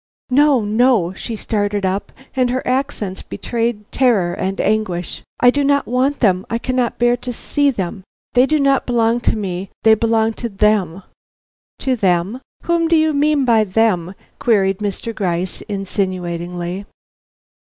"No! no!" She started up, and her accents betrayed terror and anguish, "I do not want them; I cannot bear to see them; they do not belong to me; they belong to them." "To them? Whom do you mean by them?" queried Mr. Gryce, insinuatingly.